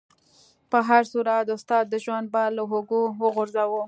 په هر صورت استاد د ژوند بار له اوږو وغورځاوه.